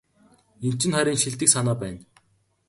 Энэ чинь харин шилдэг санаа байна.